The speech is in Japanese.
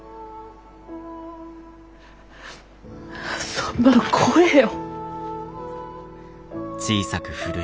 そんなの怖えよ。